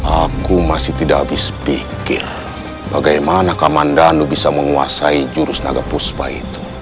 aku masih tidak habis pikir bagaimana komandanu bisa menguasai jurus naga puspa itu